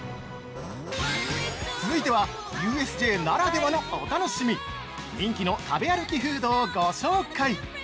◆続いては、ＵＳＪならではのお楽しみ人気の食べ歩きフードをご紹介！